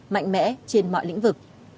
mạnh mẽ trên mọi lĩnh vực